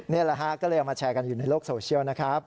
นี่แหละฮะก็เลยเอามาแชร์กันอยู่ในโลกโซเชียลนะครับ